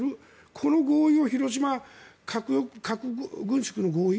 この合意を広島核軍縮の合意